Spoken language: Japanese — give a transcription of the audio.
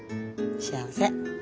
幸せ。